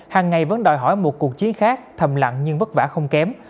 hàng ngày vẫn đòi hỏi một cuộc chiến khác thầm lặng nhưng vất vả không kém